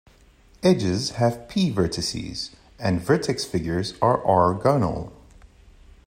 Edges have "p" vertices, and vertex figures are "r"-gonal.